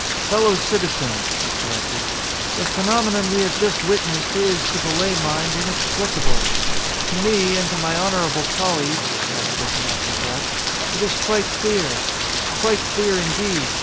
"Fellow citizens," he corrected, "the phenomenon we have just witnessed is, to the lay mind, inexplicable. To me and to my honorable colleagues (added as an afterthought) it is quite clear. Quite clear, indeed.